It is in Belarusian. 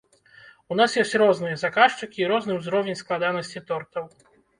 У нас ёсць розныя заказчыкі і розны ўзровень складанасці тортаў.